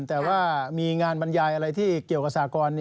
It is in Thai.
แต่ว่ามีงานบรรยายอะไรที่เกี่ยวกับสากร